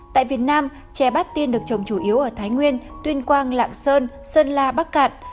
tại việt nam chè bát tiên được trồng chủ yếu ở thái nguyên tuyên quang lạng sơn sơn la bắc cạn